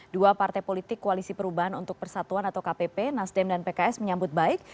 dua partai politik koalisi perubahan untuk persatuan atau kpp nasdem dan pks menyambut baik